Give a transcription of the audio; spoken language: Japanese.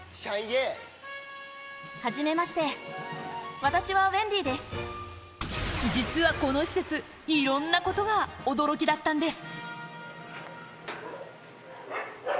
はじめまして、実はこの施設、いろんなことが驚きだったんです。